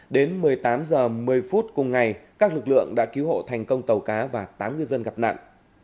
đến một mươi tám h một mươi phút cùng ngày các lực lượng đã cứu hộ thành công tàu cá và tám ngư dân gặp nạn